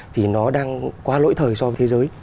thì nó đang qua lỗi thời so với thế giới